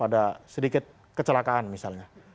ada sedikit kecelakaan misalnya